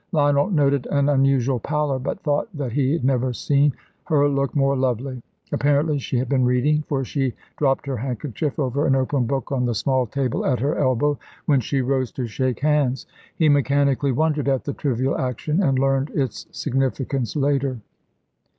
Lionel noted an unusual pallor, but thought that he had never seen, her look more lovely. Apparently she had been reading, for she dropped her handkerchief over an open book on the small table at her elbow when she rose to shake hands. He mechanically wondered at the trivial action, and learned its significance later.